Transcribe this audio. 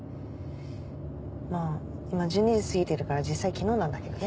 まぁ今１２時過ぎてるから実際昨日なんだけどね。